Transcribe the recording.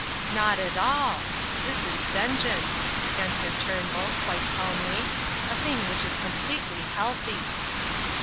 "Not at all this is vengeance," answered Turnbull, quite calmly; "a thing which is completely healthy."